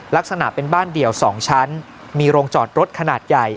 ลักษณะเป็นบ้านเดี่ยว๒ชั้นมีโรงจอดรถขนาดใหญ่